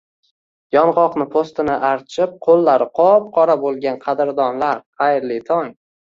Yong'oqni po'stini archib, qo'llari qop-qora bo'lgan qadrdonlar, xayrli tong!